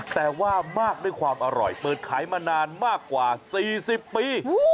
แต่ว่ามากด้วยความอร่อยเปิดขายมานานมากกว่า๔๐ปี